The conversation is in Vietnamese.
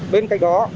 bên cạnh đó